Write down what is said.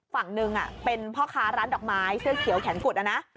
ฝั่งหนึ่งเป็นพ่อค้าร้านดอกไม้เสื้อเขียวแขนกุดนะนะ